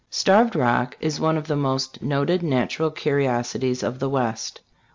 Starved Rock is one of the most noted natural curiosities of the West.